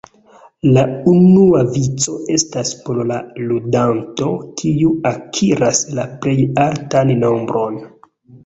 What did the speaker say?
La unua vico estas por la ludanto kiu akiras la plej altan nombron.